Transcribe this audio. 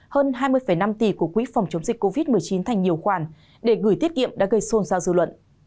hơn hai mươi năm tỷ của quỹ phòng chống dịch covid một mươi chín thành nhiều khoản để gửi tiết kiệm đã gây xôn xao dư luận